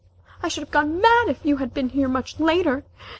I should have gone mad if you had been much later!